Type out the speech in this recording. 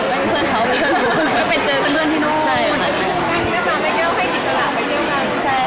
เพื่อนเขาก็ไปเจอกันที่นุ่น